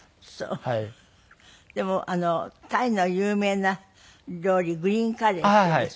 でもタイの有名な料理グリーンカレーっていうんですか？